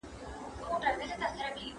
¬ پور چي تر سلو تېر سي، وچه مه خوره.